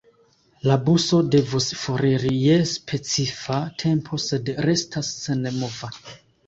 La buso devus foriri je specifa tempo, sed restas senmova.